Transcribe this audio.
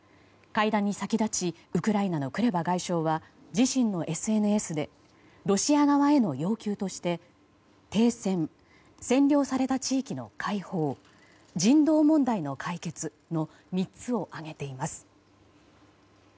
会談に先立ちウクライナのクレバ外相は自身のＳＮＳでロシア側への要求として停戦、占領された地域の解放人道問題の解決の３つを挙げています。